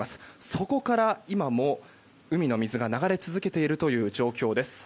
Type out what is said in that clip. そこから今も海の水が流れ続けているという状況です。